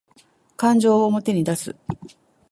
感情を表に出す